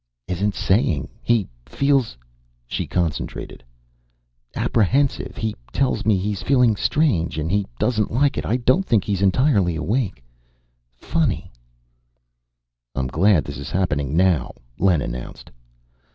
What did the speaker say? "Isn't saying. He feels " she concentrated "apprehensive. He tells me he's feeling strange and he doesn't like it. I don't think he's entirely awake. Funny " "I'm glad this is happening now," Len announced.